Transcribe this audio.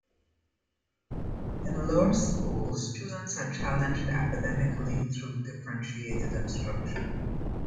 In Lower School, students are challenged academically through differentiated instruction.